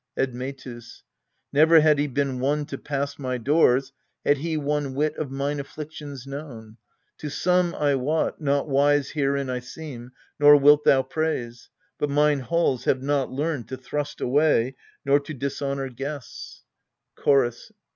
'Admetus. Never had he been won to pass my doors, Had he one whit of mine afflictions known. To some, I wot, not wise herein I seem, Nor wilt thou praise : but mine halls have not learned To thrust away nor to dishonour guests. 218 Kl/KII'IDES CHORUS.